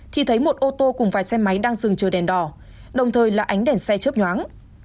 thì thấy một ô tô cùng vài xe máy đang dừng chờ đèn đỏ đồng thời là ánh đèn xe chớp nhoáng